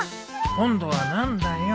今度は何だよ。